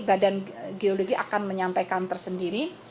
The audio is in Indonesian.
badan geologi akan menyampaikan tersendiri